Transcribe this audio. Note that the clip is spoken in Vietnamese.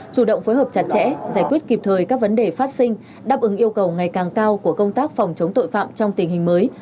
chủ động phối hợp chặt chẽ giải quyết kịp thời các vấn đề phát sinh đáp ứng yêu cầu ngày càng cao của công tác phòng chống tội phạm trong tình hình mới